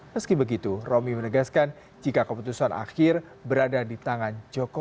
meski begitu romi menegaskan jika keputusan akhir berada di tangan jokowi